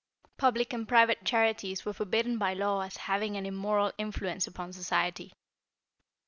Public and private charities were forbidden by law as having an immoral influence upon society.